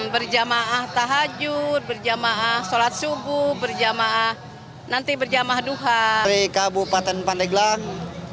berjamaah tahajud berjamaah sholat subuh berjamaah nanti berjamaah duha di kabupaten pandeglang